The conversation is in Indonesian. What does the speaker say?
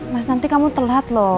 mas nanti kamu telat loh